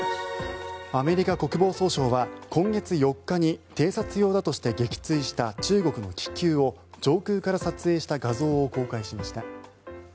アメリカ国防総省は今月４日に偵察用だとして撃墜した中国の気球を上空から撮影した画像を公開しました。